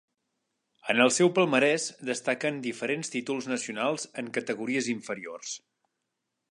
En el seu palmarès destaquen diferents títols nacionals en categories inferiors.